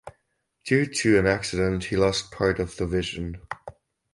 Due to an accident he lost part of the vision.